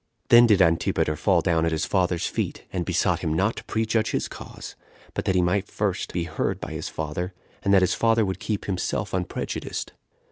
Then did Antipater fall down at his father's feet, and besought him not to prejudge his cause, but that he might be first heard by his father, and that his father would keep himself unprejudiced.